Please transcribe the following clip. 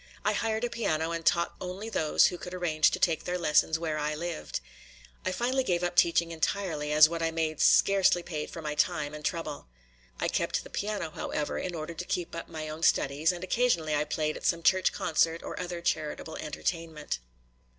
I hired a piano and taught only those who could arrange to take their lessons where I lived. I finally gave up teaching entirely, as what I made scarcely paid for my time and trouble. I kept the piano, however, in order to keep up my own studies, and occasionally I played at some church concert or other charitable entertainment.